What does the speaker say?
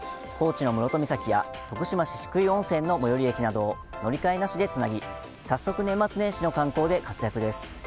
高知の室戸岬や徳島の宍喰温泉の最寄り駅などを乗り換えなしでつなぎ早速、年末年始の観光で活躍です。